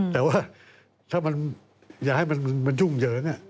แต่ว่าอย่าให้มันยุ่งเหยิง